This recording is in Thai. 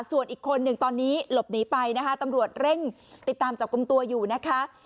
ส่วนอีกคนหนึ่งตอนนี้หลบหนีไปนะคะตำรวจเร่งติดตามจับกลุ่มตัวอยู่นะคะ